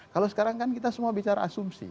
kalau sekarang kan kita semua bicara asumsi